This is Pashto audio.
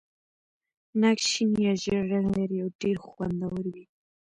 ناک شین یا ژېړ رنګ لري او ډېر خوندور وي.